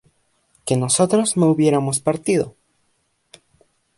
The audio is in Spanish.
que nosotros no hubiéramos partido